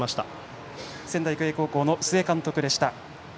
仙台育英高校の須江監督でした。